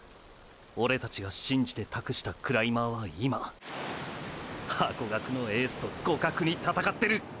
オレたちが信じて託したクライマーは今ハコガクのエースと互角に闘ってる！！